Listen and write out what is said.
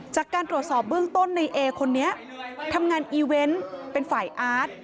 จากการตรวจสอบเบื้องต้นในเอคนนี้ทำงานอีเวนต์เป็นฝ่ายอาร์ต